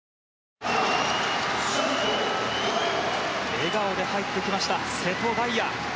笑顔で入ってきました瀬戸大也。